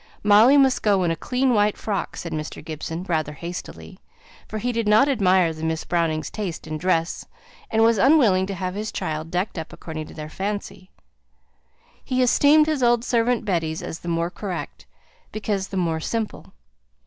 "Molly must go in a clean white frock," said Mr. Gibson, rather hastily; for he did not admire the Miss Brownings' taste in dress, and was unwilling to have his child decked up according to their fancy; he esteemed his old servant Betty's as the more correct, because the more simple.